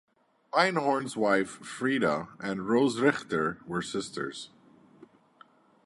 Einhorn's wife, Frieda and Rose Richter were sisters.